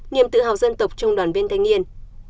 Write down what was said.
niềm tự hào dân tộc trong đoàn viên thanh niên